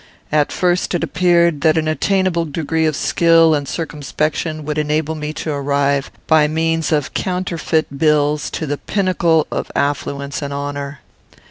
At first it appeared that an attainable degree of skill and circumspection would enable me to arrive, by means of counterfeit bills, to the pinnacle of affluence and honour.